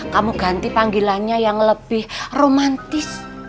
kamu ganti panggilannya yang lebih romantis